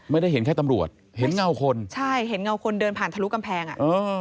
ไม่ได้เห็นแค่ตำรวจเห็นเงาคนใช่เห็นเงาคนเดินผ่านทะลุกำแพงอ่ะเออ